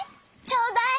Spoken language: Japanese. ちょうだい！